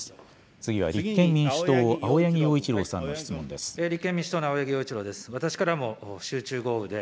次は立憲民主党、青柳陽一郎さんの質問です。